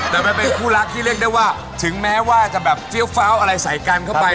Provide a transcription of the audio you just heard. แต่มันเป็นคู่รักที่เรียกได้ว่าถึงแม้ว่าจะแบบเฟี้ยวฟ้าวอะไรใส่กันเข้าไป